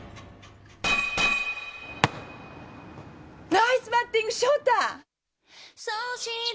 ナイスバッティング翔太！